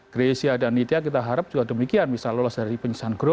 grecia dan india kita harap juga demikian bisa lolos dari penyesuaian grup